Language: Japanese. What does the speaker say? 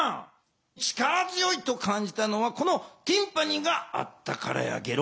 力強いと感じたのはこのティンパニがあったからやゲロ。